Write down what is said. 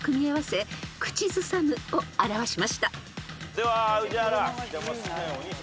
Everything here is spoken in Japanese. では宇治原。